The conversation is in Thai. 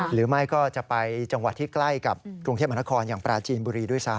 หรือไม่ก็จะไปจังหวัดที่ใกล้กับกรุงเทพมหานครอย่างปราจีนบุรีด้วยซ้ำ